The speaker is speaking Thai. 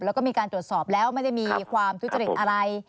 แล้วก็มีการตรวจสอบแล้วไม่ได้มีความทุจริตอะไร